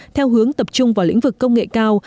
theo hướng tập trung vào lĩnh vực công nghệ cao